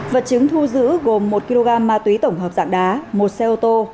vật chứng thu giữ gồm một kg ma túy tổng hợp dạng đá một xe ô tô